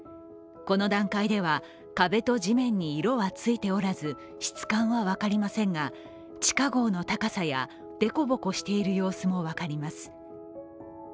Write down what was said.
この段階では壁と地面に色はついておらず質感は分かりませんが、地下壕の高さや、凸凹している様子も分かります。